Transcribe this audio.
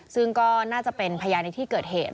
ซึ่งก็น่าจะเป็นพยานในที่เกิดเหตุ